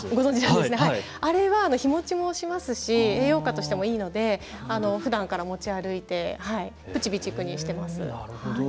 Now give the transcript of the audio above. あれは日もちもしますし栄養価としてもいいのでふだんから持ち歩いて備蓄してます。